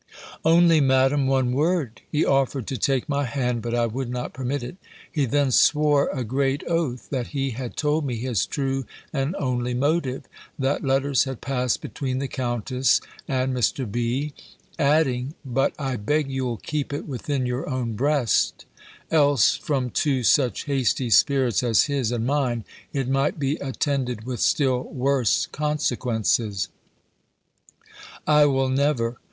"Only, Madam, one word." He offered to take my hand, but I would not permit it. He then swore a great oath, that he had told me his true and only motive; that letters had passed between the Countess and Mr. B., adding, "But I beg you'll keep it within your own breast; else, from two such hasty spirits as his and mine, it might be attended with still worse consequences." "I will never.